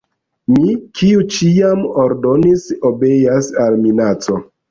Mi, kiu ĉiam ordonis, obeas al minaco.